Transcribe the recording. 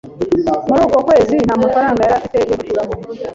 Muri uko kwezi, nta mafaranga yari afite yo guturamo.